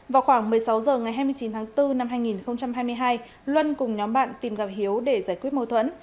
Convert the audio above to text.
vào khoảng một mươi sáu h ngày hai mươi chín tháng bốn năm hai nghìn hai mươi hai luân cùng nhóm bạn tìm gặp hiếu để giải quyết mâu thuẫn